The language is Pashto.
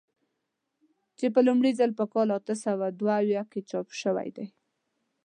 چې لومړی ځل په کال اته سوه دوه اویا کې چاپ شوی دی.